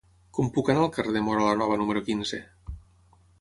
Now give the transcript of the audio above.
Com puc anar al carrer de Móra la Nova número quinze?